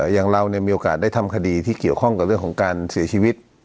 อย่างเรามีโอกาสได้ทำคดีที่เกี่ยวข้องกับเรื่องของการเสียชีวิต